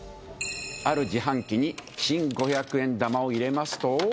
ある自販機に新５００円玉を入れますと。